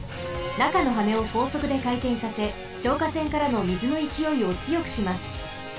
なかのはねをこうそくでかいてんさせ消火栓からのみずのいきおいをつよくします。